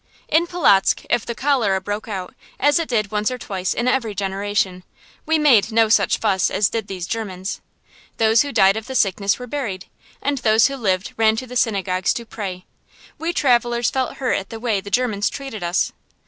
In Polotzk, if the cholera broke out, as it did once or twice in every generation, we made no such fuss as did these Germans. Those who died of the sickness were buried, and those who lived ran to the synagogues to pray. We travellers felt hurt at the way the Germans treated us.